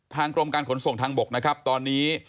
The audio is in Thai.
ทางกรมการขนส่งทางบกตอนนี้